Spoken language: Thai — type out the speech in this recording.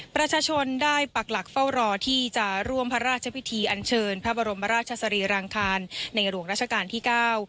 ประชาชนได้ปักหลักเฝ้ารอที่จะร่วมพระราชพิธีอันเชิญพระบรมราชสรีรางคารในหลวงราชการที่เก้า